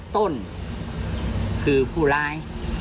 ต้นคือผู้ร้าย